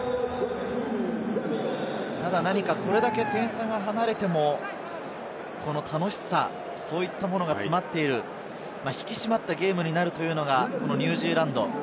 何かこれだけ点差が離れても、楽しさ、そういったものが詰まっている、引き締まったゲームになるというのがニュージーランド。